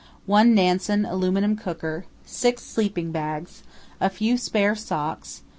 1 Nansen aluminium cooker. 6 sleeping bags. A few spare socks.